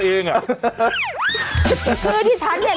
โอ้โหโอ้โห